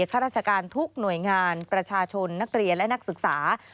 ข้าราชการทุกหน่วยงานประชาชนนักเรียนและนักศึกษา